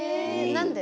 何で？